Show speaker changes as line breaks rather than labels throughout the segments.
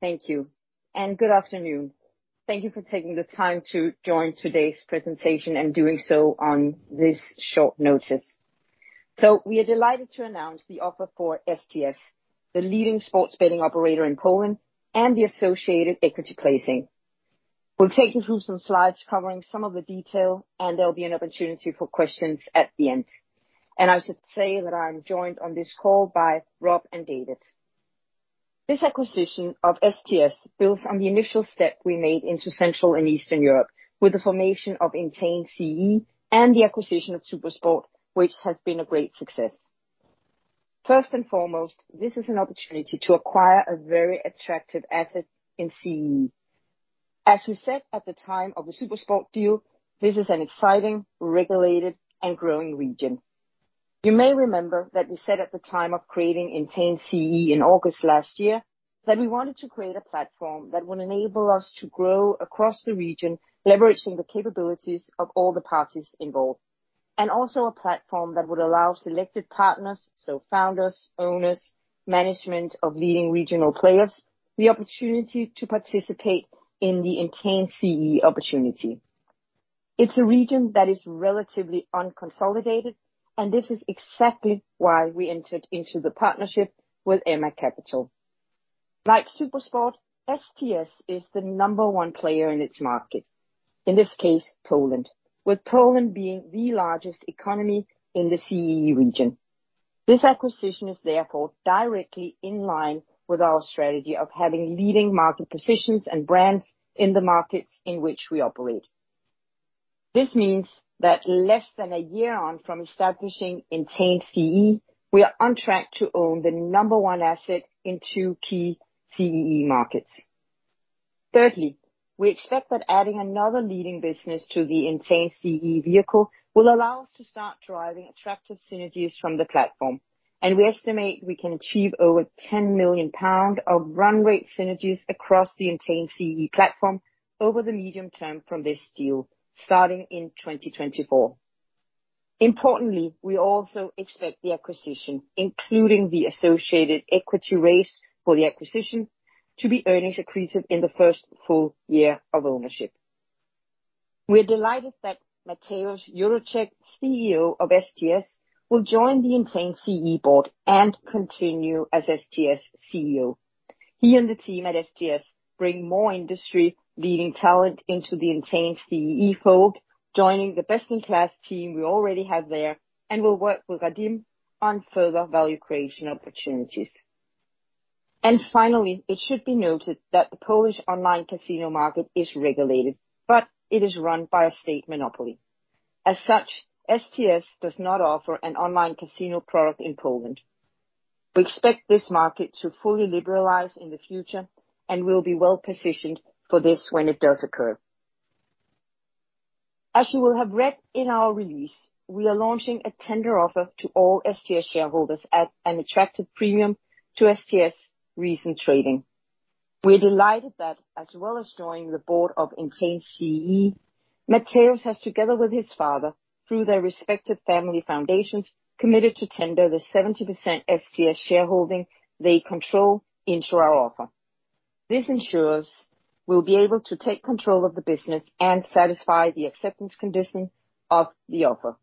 Thank you, and good afternoon. Thank you for taking the time to join today's presentation and doing so on this short notice. We are delighted to announce the offer for STS, the leading sports betting operator in Poland, and the associated equity placing. We'll take you through some slides covering some of the detail, and there'll be an opportunity for questions at the end. I should say that I'm joined on this call by Rob and David. This acquisition of STS builds on the initial step we made into Central and Eastern Europe with the formation of Entain CEE and the acquisition of Superbet, which has been a great success. First and foremost, this is an opportunity to acquire a very attractive asset in CEE. As we said at the time of the Superbet deal, this is an exciting, regulated, and growing region. You may remember that we said at the time of creating Entain CEE in August last year, that we wanted to create a platform that would enable us to grow across the region, leveraging the capabilities of all the parties involved, and also a platform that would allow selected partners, so founders, owners, management of leading regional players, the opportunity to participate in the Entain CEE opportunity. It's a region that is relatively unconsolidated, and this is exactly why we entered into the partnership with EMMA Capital. Like Superbet, STS is the number one player in its market, in this case, Poland, with Poland being the largest economy in the CEE region. This acquisition is therefore directly in line with our strategy of having leading market positions and brands in the markets in which we operate. This means that less than a year on from establishing Entain CEE, we are on track to own the number one asset in two key CEE markets. Thirdly, we expect that adding another leading business to the Entain CEE vehicle will allow us to start driving attractive synergies from the platform, and we estimate we can achieve over 10 million pound of run rate synergies across the Entain CEE platform over the medium term from this deal, starting in 2024. Importantly, we also expect the acquisition, including the associated equity raise for the acquisition, to be earnings accretive in the first full year of ownership. We're delighted that Mateusz Juroczek, CEO of STS, will join the Entain CEE board and continue as STS CEO. He and the team at STS bring more industry-leading talent into the Entain CEE fold, joining the best-in-class team we already have there, and will work with Radim on further value creation opportunities. Finally, it should be noted that the Polish online casino market is regulated, but it is run by a state monopoly. As such, STS does not offer an online casino product in Poland. We expect this market to fully liberalize in the future, we'll be well-positioned for this when it does occur. As you will have read in our release, we are launching a tender offer to all STS shareholders at an attractive premium to STS' recent trading. We're delighted that, as well as joining the board of Entain CEE, Mateusz has, together with his father, through their respective family foundations, committed to tender the 70% STS shareholding they control into our offer. This ensures we'll be able to take control of the business and satisfy the acceptance condition of the offer.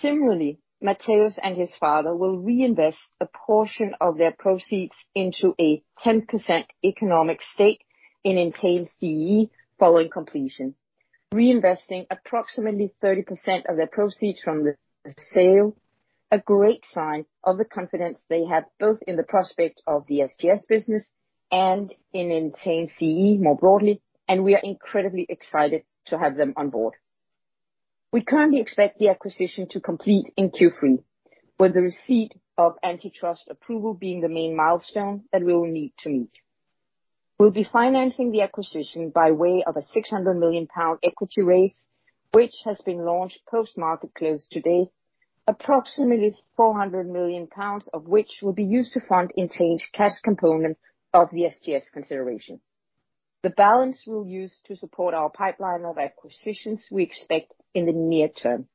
Similarly, Mateusz and his father will reinvest a portion of their proceeds into a 10% economic stake in Entain CEE following completion, reinvesting approximately 30% of their proceeds from the sale, a great sign of the confidence they have, both in the prospect of the STS business and in Entain CEE more broadly. We are incredibly excited to have them on board. We currently expect the acquisition to complete in Q3, with the receipt of antitrust approval being the main milestone that we will need to meet. We'll be financing the acquisition by way of a 600 million pound equity raise, which has been launched post-market close today, approximately 400 million pounds of which will be used to fund Entain's cash component of the STS consideration. The balance we'll use to support our pipeline of acquisitions we expect in the near term.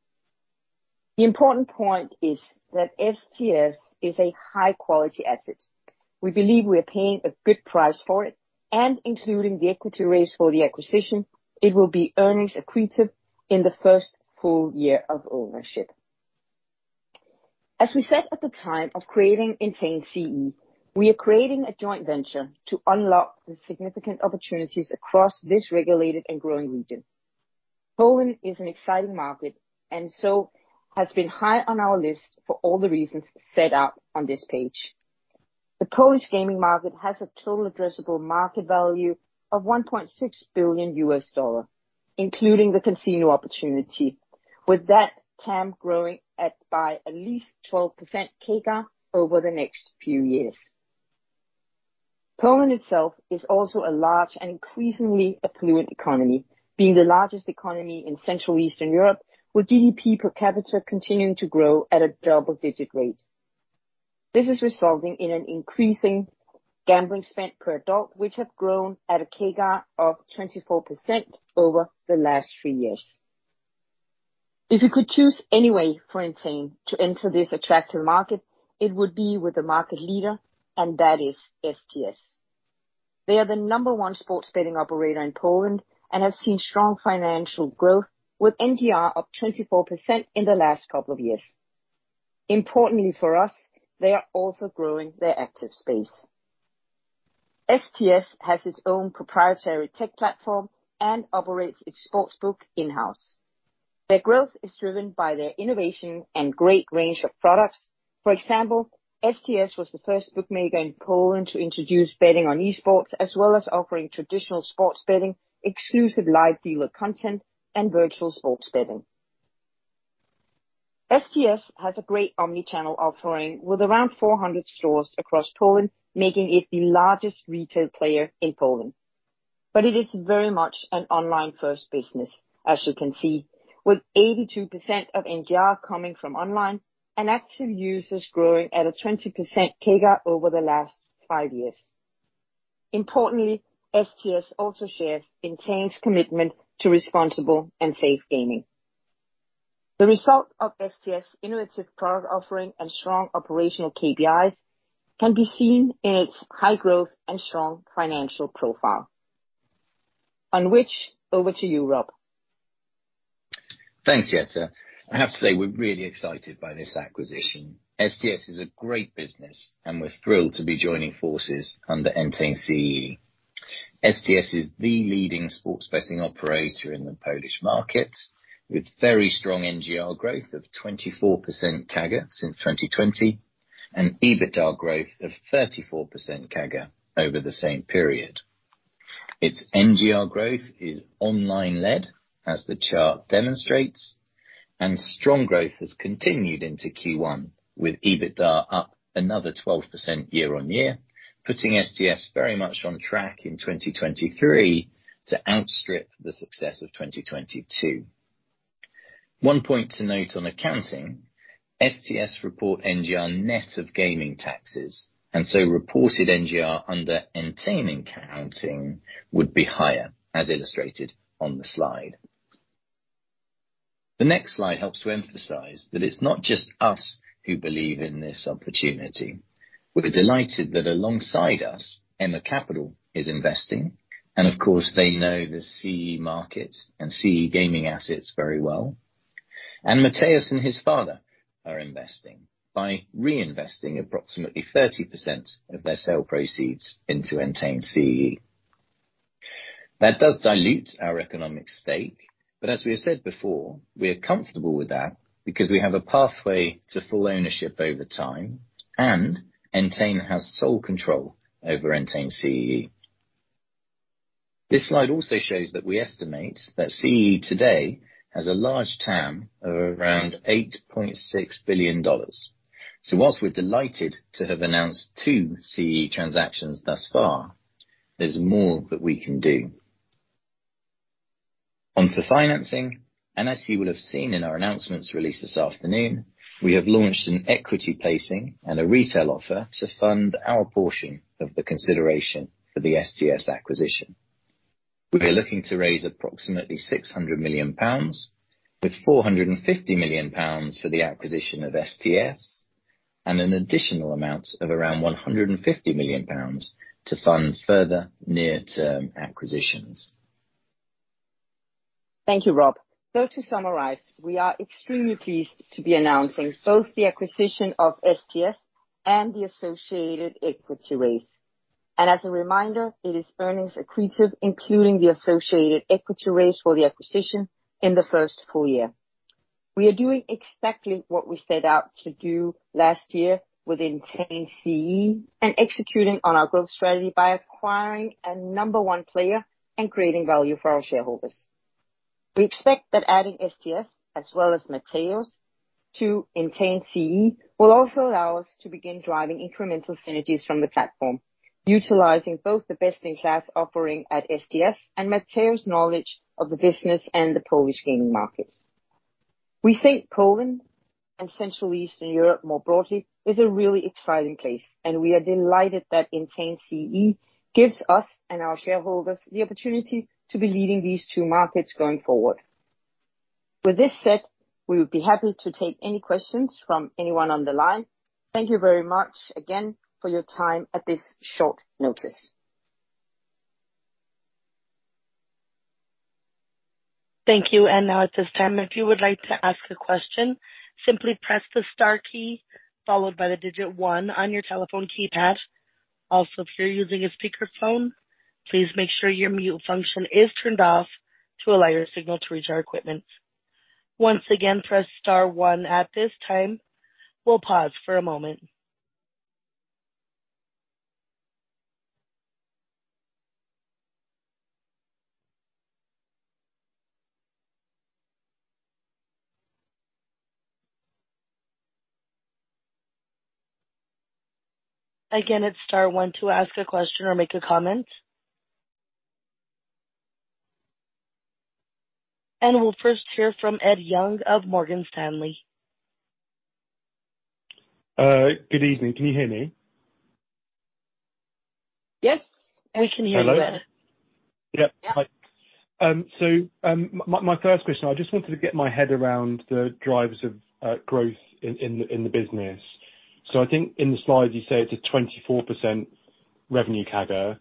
The important point is that STS is a high-quality asset. We believe we are paying a good price for it, and including the equity raise for the acquisition, it will be earnings accretive in the first full year of ownership. As we said at the time of creating Entain CEE, we are creating a joint venture to unlock the significant opportunities across this regulated and growing region. Poland is an exciting market, and so has been high on our list for all the reasons set out on this page. The Polish gaming market has a total addressable market value of $1.6 billion U.S. dollar, including the casino opportunity, with that TAM growing at by at least 12% CAGR over the next few years. Poland itself is also a large and increasingly affluent economy, being the largest economy in Central Eastern Europe, with GDP per capita continuing to grow at a double-digit rate. This is resulting in an increasing gambling spend per adult, which have grown at a CAGR of 24% over the last three years. If you could choose any way for Entain to enter this attractive market, it would be with the market leader, and that is STS. They are the number one sports betting operator in Poland and have seen strong financial growth, with NGR up 24% in the last couple of years. Importantly for us, they are also growing their active space. STS has its own proprietary tech platform and operates its sportsbook in-house. Their growth is driven by their innovation and great range of products. For example, STS was the first bookmaker in Poland to introduce betting on esports, as well as offering traditional sports betting, exclusive live dealer content, and virtual sports betting. STS has a great omni-channel offering with around 400 stores across Poland, making it the largest retail player in Poland. It is very much an online-first business, as you can see, with 82% of NGR coming from online and active users growing at a 20% CAGR over the last five years. Importantly, STS also shares Entain's commitment to responsible and safe gaming. The result of STS' innovative product offering and strong operational KPIs can be seen in its high growth and strong financial profile. On which, over to you, Rob.
Thanks, Jette. I have to say, we're really excited by this acquisition. STS is a great business, and we're thrilled to be joining forces under Entain CEE. STS is the leading sports betting operator in the Polish market, with very strong NGR growth of 24% CAGR since 2020, and EBITDA growth of 34% CAGR over the same period. Its NGR growth is online-led, as the chart demonstrates, and strong growth has continued into Q1, with EBITDA up another 12% year-on-year, putting STS very much on track in 2023 to outstrip the success of 2022. One point to note on accounting, STS report NGR net of gaming taxes, and so reported NGR under Entain accounting would be higher, as illustrated on the slide. The next slide helps to emphasize that it's not just us who believe in this opportunity. We're delighted that alongside us, EMMA Capital is investing. Of course, they know the CEE markets and CEE gaming assets very well. Mateusz and his father are investing by reinvesting approximately 30% of their sale proceeds into Entain CEE. That does dilute our economic stake. As we have said before, we are comfortable with that because we have a pathway to full ownership over time. Entain has sole control over Entain CEE. This slide also shows that we estimate that CEE today has a large TAM of around $8.6 billion. Whilst we're delighted to have announced two CEE transactions thus far, there's more that we can do. Onto financing, as you will have seen in our announcements released this afternoon, we have launched an equity placing and a retail offer to fund our portion of the consideration for the STS acquisition. We are looking to raise approximately 600 million pounds, with 450 million pounds for the acquisition of STS, and an additional amount of around 150 million pounds to fund further near-term acquisitions.
Thank you, Rob. To summarize, we are extremely pleased to be announcing both the acquisition of STS and the associated equity raise. As a reminder, it is earnings accretive, including the associated equity raise for the acquisition in the first full year. We are doing exactly what we set out to do last year with Entain CEE, and executing on our growth strategy by acquiring a number one player and creating value for our shareholders. We expect that adding STS as well as Mateusz to Entain CEE will also allow us to begin driving incremental synergies from the platform, utilizing both the best-in-class offering at STS and Mateusz's knowledge of the business and the Polish gaming market. We think Poland and Central Eastern Europe more broadly, is a really exciting place, and we are delighted that Entain CEE gives us and our shareholders the opportunity to be leading these two markets going forward. With this said, we would be happy to take any questions from anyone on the line. Thank you very much again for your time at this short notice.
Thank you. Now at this time, if you would like to ask a question, simply press the star key followed by the digit one on your telephone keypad. If you're using a speakerphone, please make sure your mute function is turned off to allow your signal to reach our equipment. Once again, press star one. At this time, we'll pause for a moment. Again, it's star one to ask a question or make a comment. We'll first hear from Ed Young of Morgan Stanley....
good evening. Can you hear me?
Yes, I can hear you.
Hello. Yep. Hi.
Yeah.
My first question, I just wanted to get my head around the drivers of growth in the business. I think in the slides, you say it's a 24% revenue CAGR,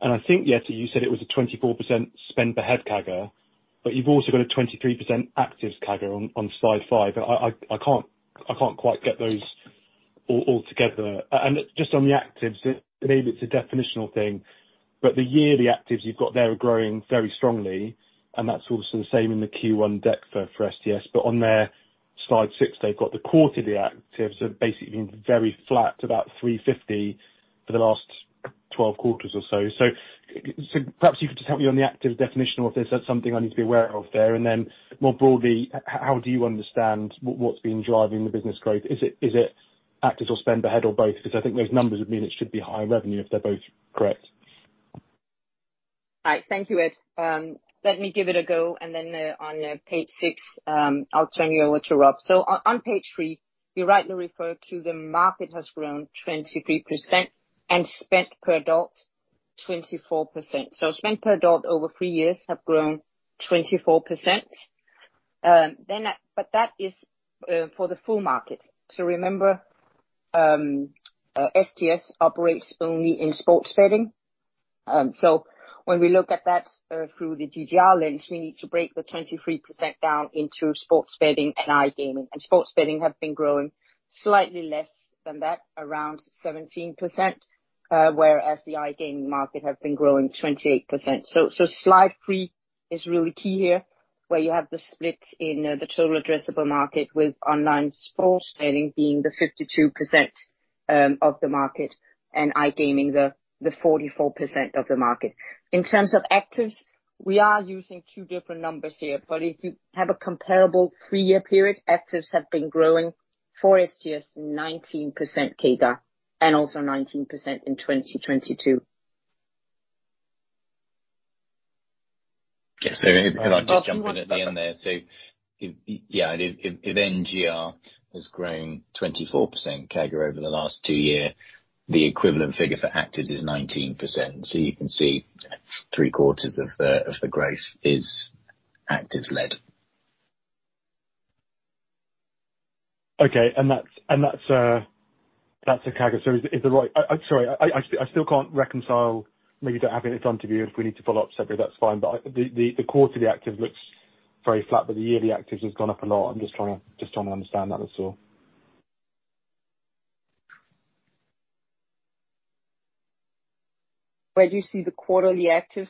and I think, yesterday, you said it was a 24% spend per head CAGR, but you've also got a 23% actives CAGR on slide five, and I can't quite get those all together. Just on the actives, maybe it's a definitional thing, but the yearly actives you've got there are growing very strongly, and that's also the same in the Q1 deck for STS. On their slide six, they've got the quarterly actives, so basically very flat, about 350 for the last 12 quarters or so. Perhaps you could just help me on the active definition of this. That's something I need to be aware of there. More broadly, how do you understand what's been driving the business growth? Is it actives or spend ahead or both? I think those numbers would mean it should be higher revenue if they're both correct.
All right. Thank you, Ed. Let me give it a go, and then on page six, I'll turn you over to Rob. On page three, you rightly refer to the market has grown 23% and spent per adult 24%. Spend per adult over three years have grown 24%. But that is for the full market. Remember, STS operates only in sports betting. When we look at that through the GGR lens, we need to break the 23% down into sports betting and iGaming, and sports betting have been growing slightly less than that, around 17%, whereas the iGaming market have been growing 28%. slide three is really key here, where you have the split in the total addressable market, with online sports betting being the 52% of the market and iGaming, the 44% of the market. In terms of actives, we are using two different numbers here, but if you have a comparable three-year period, actives have been growing, for STS, 19% CAGR, and also 19% in 2022.
Yeah, if I just jump in at the end there.
Rob, do you want to-
Yeah, if NGR is growing 24% CAGR over the last two year, the equivalent figure for actives is 19%. You can see three quarters of the growth is actives-led.
That's a CAGR. I'm sorry, I still can't reconcile, maybe don't having enough time to view, and if we need to follow up separately, that's fine. I, the quarterly active looks very flat, but the yearly actives has gone up a lot. I'm just trying to understand that's all.
Where do you see the quarterly actives?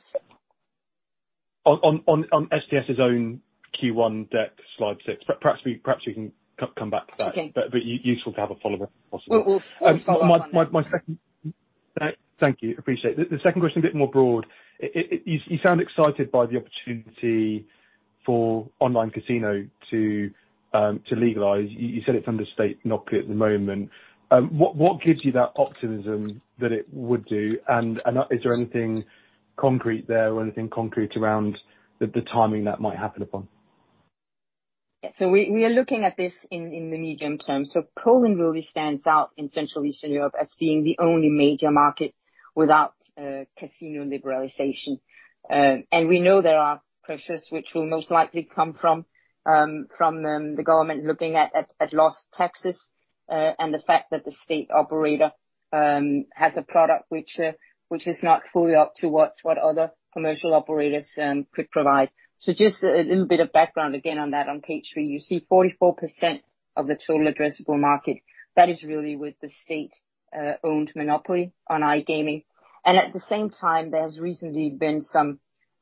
On STS's own Q1 deck, slide six. Perhaps we can come back to that.
Okay.
Useful to have a follow-up, possibly.
We'll follow up on that.
Thank you. Appreciate it. The second question, a bit more broad. You sound excited by the opportunity for online casino to legalize. You said it's under state monopoly at the moment. What gives you that optimism that it would do? Is there anything concrete there or anything concrete around the timing that might happen upon?
We are looking at this in the medium term. Poland really stands out in Central Eastern Europe as being the only major market without casino liberalization. We know there are pressures which will most likely come from the government looking at lost taxes, and the fact that the state operator has a product which is not fully up to what other commercial operators could provide. Just a little bit of background again on that. On page three, you see 44% of the total addressable market. That is really with the state owned monopoly on iGaming. At the same time, there's recently been some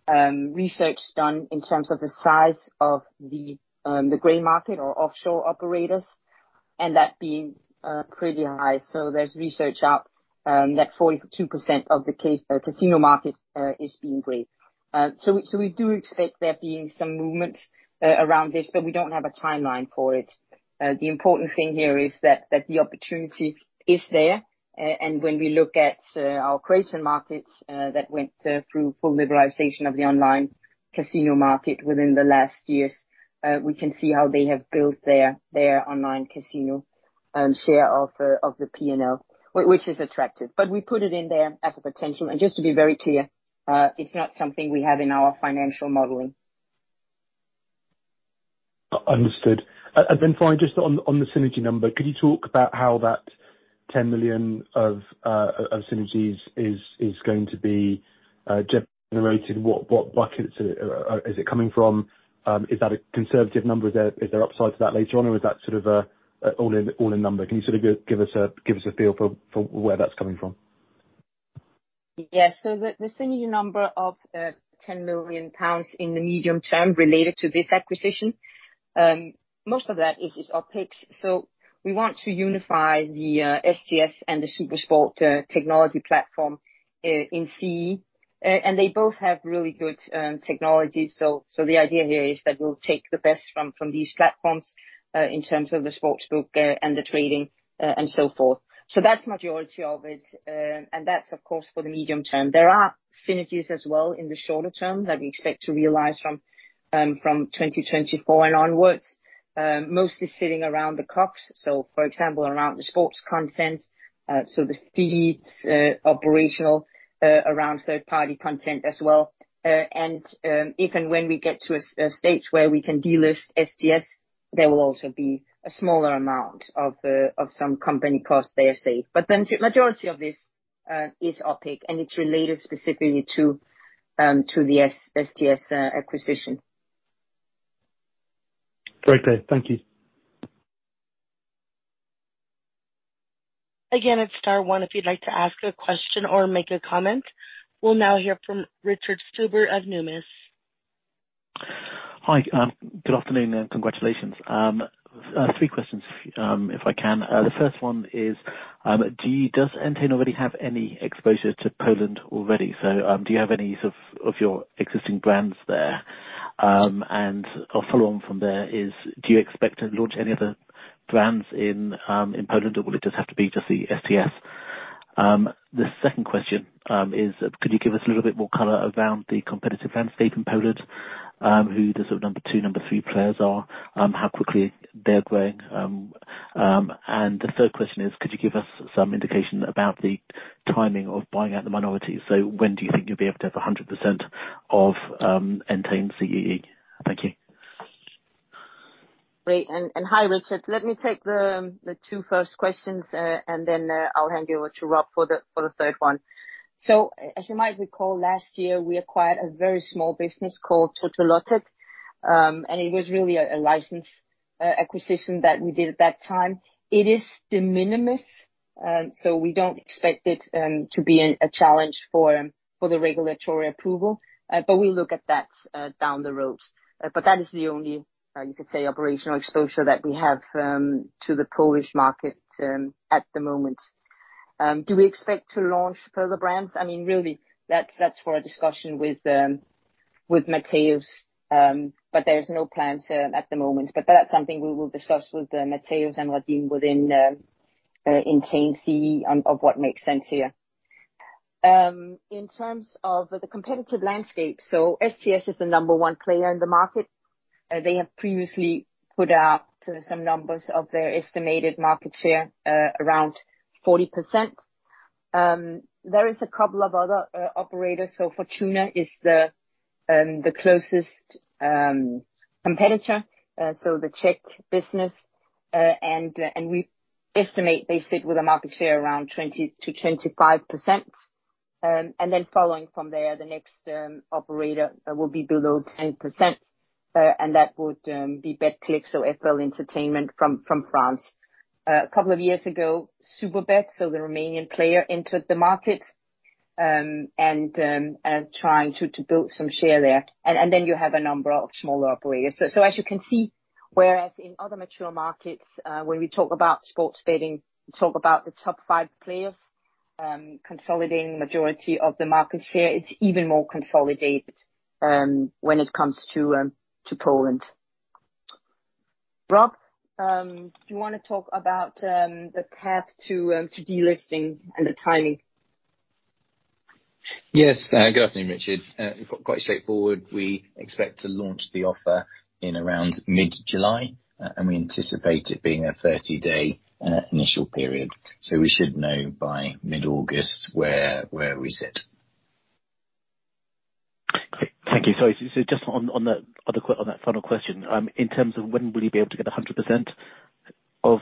research done in terms of the size of the gray market or offshore operators, and that being pretty high. There's research out that 42% of the case casino market is being gray. We do expect there being some movement around this, but we don't have a timeline for it. The important thing here is that the opportunity is there, and when we look at our creation markets that went through full liberalization of the online casino market within the last years, we can see how they have built their online casino share of the PNL, which is attractive. We put it in there as a potential. Just to be very clear, it's not something we have in our financial modeling.
Understood. Finally, just on the synergy number, could you talk about how that 10 million of synergies is going to be generated? What buckets is it coming from? Is that a conservative number? Is there upside to that later on, or is that sort of all-in number? Can you sort of give us a feel for where that's coming from?
Yes. The synergy number of 10 million pounds in the medium term related to this acquisition, most of that is OpEx. We want to unify the STS and the SuperSport technology platform in CEE. They both have really good technology. The idea here is that we'll take the best from these platforms in terms of the sportsbook and the trading and so forth. That's majority of it. That's, of course, for the medium term. There are synergies as well in the shorter term that we expect to realize from 2024 and onwards, mostly sitting around the COGS. For example, around the sports content, so the feeds, operational, around third-party content as well. Even when we get to a stage where we can delist STS, there will also be a smaller amount of some company costs there, say. The majority of this is OpEx, and it's related specifically to the STS acquisition.
Great, thanks. Thank you. Again, it's star one, if you'd like to ask a question or make a comment. We'll now hear from Richard Stuber of Numis.
Hi, good afternoon, congratulations. Three questions, if I can. The first one is, does Entain already have any exposure to Poland already? Do you have any of your existing brands there? I'll follow on from there is, do you expect to launch any other brands in Poland, or will it just have to be just the STS? The second question is, could you give us a little bit more color around the competitive landscape in Poland? Who the sort of number two, number three players are, how quickly they're growing? The third question is, could you give us some indication about the timing of buying out the minority? When do you think you'll be able to have 100% of Entain CEE? Thank you.
Great. Hi, Richard. Let me take the two first questions, and then, I'll hand you over to Rob for the third one. As you might recall, last year, we acquired a very small business called Totolotek, and it was really a license acquisition that we did at that time. It is de minimis, so we don't expect it, to be a challenge for the regulatory approval, but we look at that, down the road. That is the only, you could say, operational exposure that we have, to the Polish market, at the moment. Do we expect to launch further brands? I mean, really, that's for a discussion with Mateusz, but there's no plans, at the moment. That's something we will discuss with Mateusz and Radim within in Entain CEE on, of what makes sense here. In terms of the competitive landscape, STS is the number one player in the market. They have previously put out some numbers of their estimated market share, around 40%. There is a couple of other, operators. Fortuna is the the closest competitor, the Czech business. And we estimate they sit with a market share around 20%-25%. Following from there, the next operator will be below 10%, and that would be Betclic, FL Entertainment from France. A couple of years ago, Superbet, so the Romanian player, entered the market, and trying to build some share there. Then you have a number of smaller operators. As you can see, whereas in other mature markets, when we talk about sports betting, we talk about the top five players, consolidating the majority of the market share, it's even more consolidated when it comes to Poland. Rob, do you wanna talk about the path to delisting and the timing?
Yes. Good afternoon, Richard. Quite straightforward. We expect to launch the offer in around mid-July, and we anticipate it being a 30-day initial period. We should know by mid-August where we sit.
Great. Thank you. Just on that other on that final question, in terms of when will you be able to get 100% of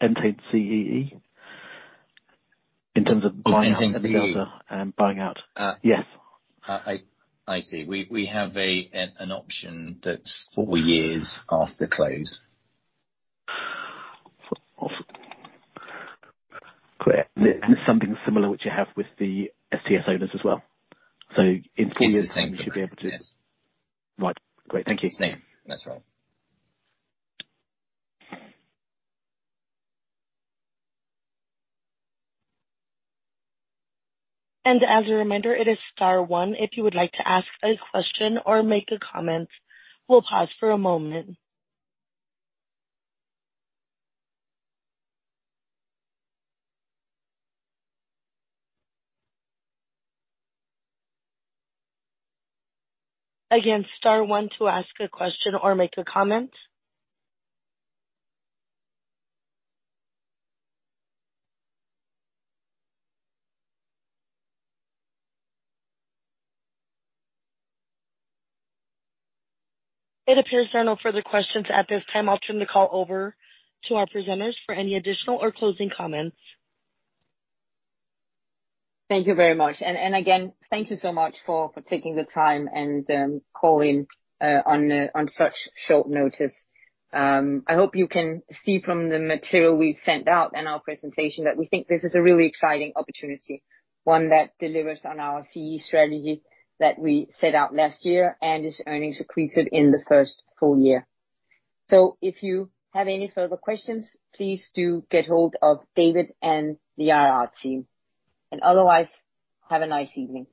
Entain CEE, in terms of.
Of Entain CEE?
buying out? Yes.
I see. We have an option that's four years after close.
Clear. It's something similar which you have with the STS owners as well? In four years-
It's the same.
you should be able to.
Yes.
Right. Great. Thank you.
Same. That's right.
As a reminder, it is star one if you would like to ask a question or make a comment. We'll pause for a moment. Again, star one to ask a question or make a comment. It appears there are no further questions at this time. I'll turn the call over to our presenters for any additional or closing comments.
Thank you very much. Again, thank you so much for taking the time and calling on such short notice. I hope you can see from the material we sent out in our presentation, that we think this is a really exciting opportunity, one that delivers on our CEE strategy that we set out last year, and it's earnings accretive in the first full year. If you have any further questions, please do get hold of David and the IR team, and otherwise, have a nice evening.